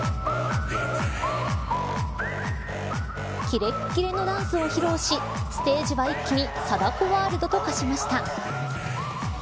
きれっきれのダンスを披露しステージは一気に貞子ワールドと化しました。